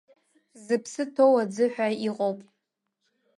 Зыԥсы ҭоу аӡы ҳәа аҟоуп.